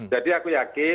jadi aku yakin